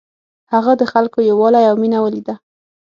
هغه د خلکو یووالی او مینه ولیده.